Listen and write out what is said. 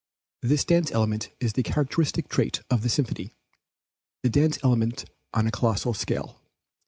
This dance element is the characteristic trait of the symphony; the dance element on a colossal scale.